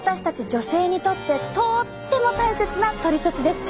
女性にとってとっても大切なトリセツです。